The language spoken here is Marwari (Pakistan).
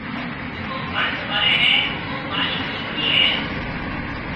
جڪو ڀرت ڀري هيَ او مهارِي ڏِيڪرِي هيَ۔